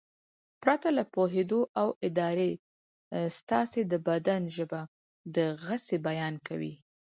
پرته له پوهېدو او ارادې ستاسې د بدن ژبه د غسې بیان کوي.